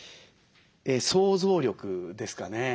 想像力ですかね。